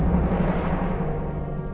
aku mau pulang dulu ya mas